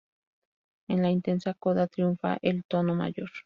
En la intensa coda triunfa el tono mayor.